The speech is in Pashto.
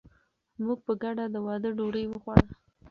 موږ په ګډه د واده ډوډۍ وخوړه.